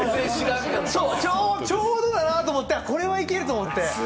ちょうどだなと思って、これはいけるって思って。